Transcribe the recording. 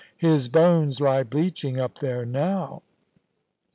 His bones lie bleaching up there now.